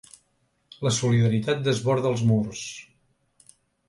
La solidaritat desborda els murs.